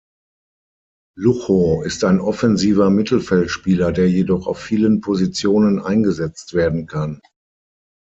Lucho ist ein offensiver Mittelfeldspieler, der jedoch auf vielen Positionen eingesetzt werden kann.